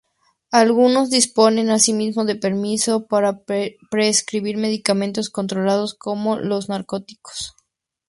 Algunos disponen así mismo de permiso para prescribir medicamentos controlados como los narcóticos.